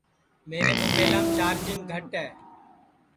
میرے مُبیلام چارجِنگ گھٹ ہے